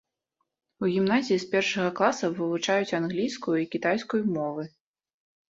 У гімназіі з першага класа вывучаюць англійскую і кітайскую мовы.